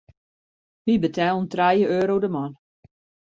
Wy betellen trije euro de man.